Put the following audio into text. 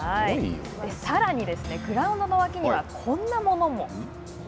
さらにですね、グラウンドの脇には、こんなものも。